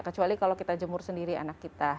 kecuali kalau kita jemur sendiri anak kita